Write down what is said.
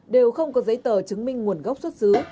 đều không có giấy tờ chứng minh nguồn gốc xuất xứ